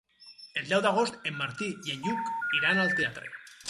El deu d'agost en Martí i en Lluc iran al teatre.